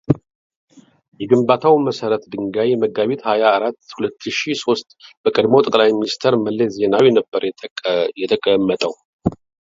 የግንባታው መሠረተ ድንጋይ መጋቢት ሀያ አራት ሁለትሺ ሶስት በቀድሞው ጠቅላይ ሚንስትር መለስ ዜናዊ ነበር የተቀመጠው።